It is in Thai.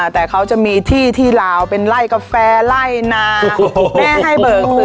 แต่เขาจะมีที่ที่ลาวเป็นไล่กาแฟไล่นาแม่ให้เบิกซื้อ